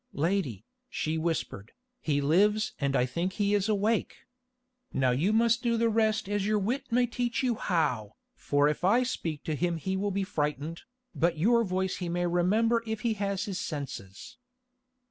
"Lady," she whispered, "he lives, and I think he is awake. Now you must do the rest as your wit may teach you how, for if I speak to him he will be frightened, but your voice he may remember if he has his senses."